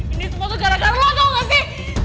ini semua tuh gara gara lo tau gak sih